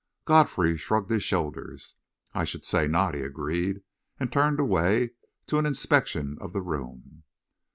Godfrey shrugged his shoulders. "I should say not," he agreed, and turned away to an inspection of the room.